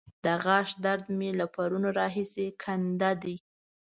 د غاښ درد مې له پرونه راهسې کنده دی.